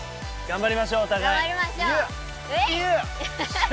頑張りましょう。イェイ！